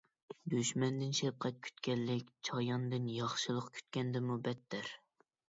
دۈشمەندىن شەپقەت كۈتكەنلىك چاياندىن ياخشىلىق كۈتكەندىنمۇ بەتتەر.